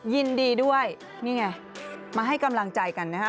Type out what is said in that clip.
ยินดีด้วยนี่ไงมาให้กำลังใจกันนะฮะ